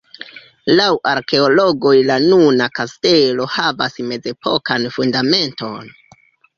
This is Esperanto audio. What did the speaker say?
Laŭ arkeologoj la nuna kastelo havas mezepokan fundamenton.